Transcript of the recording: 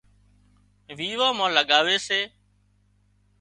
ويوان مان لڳاوي سي